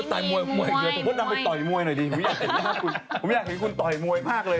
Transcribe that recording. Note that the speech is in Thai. ถ้าหมดดำติดต่วนดำแก๊บลงกว่านี้